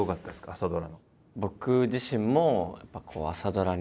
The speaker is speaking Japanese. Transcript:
朝ドラの。